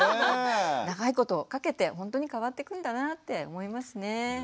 長いことかけてほんとに変わってくんだなぁって思いますね。